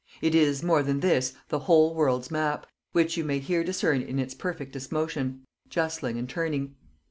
It is, more than this, the whole world's map, which you may here discern in its perfectest motion, justling, and turning.